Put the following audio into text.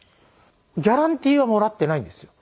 ギャランティーはもらっていないんですよ。